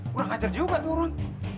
kurang ajar juga turun